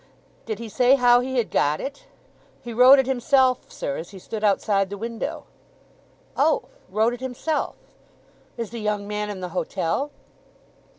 "Did he say how he had got it?" "He wrote it himself, sir, as he stood outside the window." "Oh—wrote it himself.... Is the young man in the hotel?"